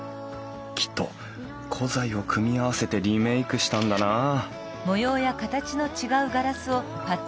きっと古材を組み合わせてリメークしたんだなうん。